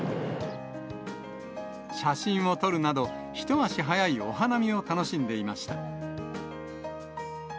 写真を撮るなど、一足早いお花見を楽しんでいました。